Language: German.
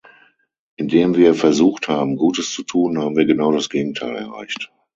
Indem wir versucht haben, Gutes zu tun, haben wir genau das Gegenteil erreicht.